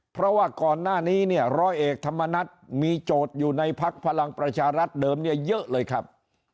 เพราะว่าก่อนหน้านี้เนี่ยร้อยเอกธรรมนัฐมีโจทย์อยู่ในพักพลังประชารัฐเดิมเนี่ยเยอะเลยครับ